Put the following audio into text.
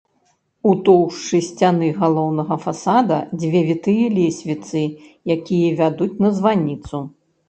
У тоўшчы сцяны галоўнага фасада две вітыя лесвіцы, якія вядуць на званіцу.